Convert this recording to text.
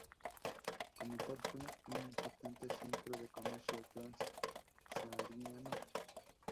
Como tal, fue un importante centro de comercio trans-sahariano.